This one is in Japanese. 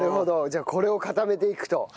じゃあこれを固めていくと。